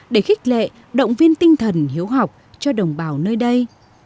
để khích lệ động viên tinh thần hiếu học cho đồng bào nơi đây